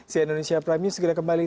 si indonesia prime news segera kembali